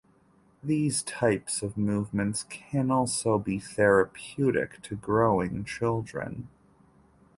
These types of movements can also be therapeutic to growing children.